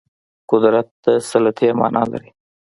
قدرت د سلطې معنا لري